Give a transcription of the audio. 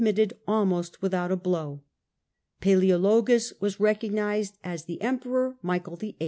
mitted almost without a blow. Palseologus was recognized gus, 1259 as the Emperor Michael VIII.